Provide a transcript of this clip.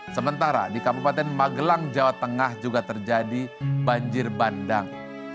sementara di kabupaten magelang jawa tengah juga terjadi banjir bandang